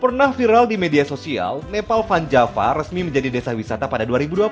pernah viral di media sosial nepal van java resmi menjadi desa wisata pada dua ribu dua puluh